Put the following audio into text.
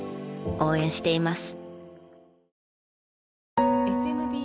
応援しています。